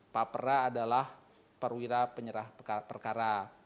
papera adalah perwira penyerah perkara